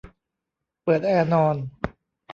เปิดแอร์นอน